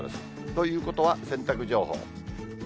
ということは、洗濯情報。